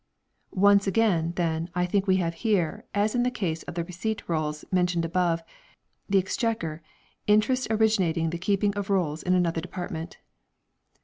. Once again, then, I think we have here, as in the case of the Receipt Rolls mentioned above, the Exchequer, interest originating the keeping of rolls in another department.